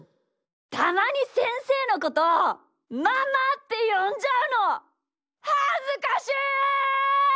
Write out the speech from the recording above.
たまにせんせいのことママってよんじゃうのはずかしい！